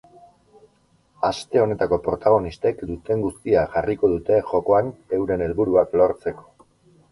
Aste honetako protagonistek duten guztia jarriko dute jokoan euren helburuak lortzeko.